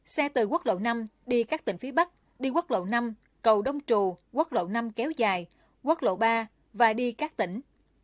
xe từ quốc lộ năm đi các tỉnh phía bắc đi quốc lộ năm cầu đông trù quốc lộ năm kéo dài quốc lộ ba và đi các tỉnh